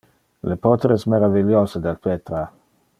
Le poteres meraviliose del petra.